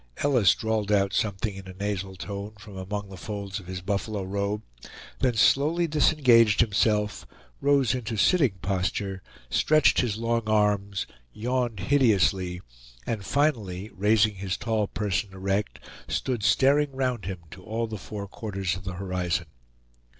Ellis drawled out something in a nasal tone from among the folds of his buffalo robe; then slowly disengaged himself, rose into sitting posture, stretched his long arms, yawned hideously, and finally, raising his tall person erect, stood staring round him to all the four quarters of the horizon.